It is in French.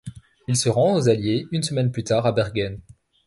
Il se rend aux Alliés une semaine plus tard à Bergen.